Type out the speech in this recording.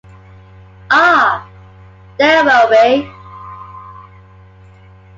Ah! ... There will be...